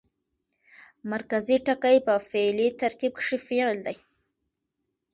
مرکزي ټکی په فعلي ترکیب کښي فعل يي.